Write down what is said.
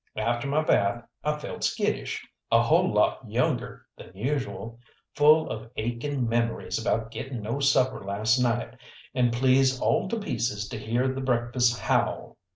After my bath I felt skittish, a whole lot younger than usual, full of aching memories about getting no supper last night, and pleased all to pieces to hear the breakfast howl.